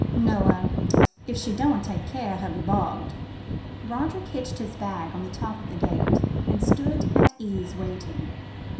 "Noa. If she doant take care her'll be bogged." Roderick hitched his bag on to the top of the gate, and stood at ease waiting.